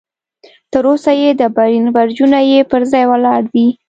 تر اوسه یې ډبرین برجونه پر ځای ولاړ دي.